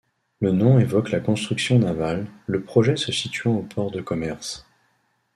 Le nom évoque la construction navale, le projet se situant au port de commerce.